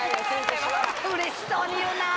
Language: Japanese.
うれしそうに言うなぁ。